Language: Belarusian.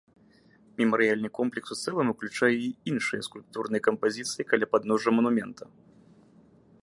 Мемарыяльны комплекс у цэлым уключае і іншыя скульптурныя кампазіцыі каля падножжа манумента.